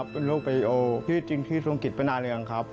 เป็นโรคประโยคที่จริงที่ทรงกิจประนาเรียงครับ